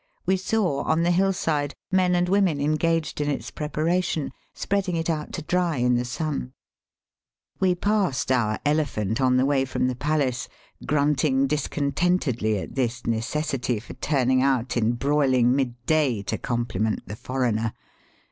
We saw on the hill side men and women engaged in its preparation, spreading it out to dry in the sun* We passed our elephant on the way from the palace grunting discontentedly at this necessity for turning out in broiliug midday to compliment the foreigner.